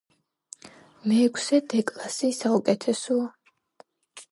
მეექვსე დე კლასი საუკეთესოა